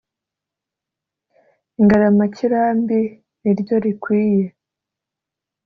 Ingaramakirambi ni ryo rikwiye,